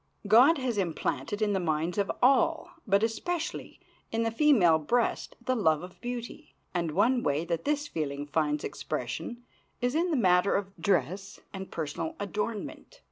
God has implanted in the minds of all, but especially in the female breast, the love of beauty, and one way that this feeling finds expression is in the matter of dress and personal adornment.